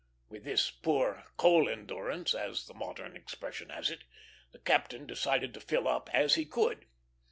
With this poor "coal endurance," as the modern expression has it, the captain decided to fill up as he could.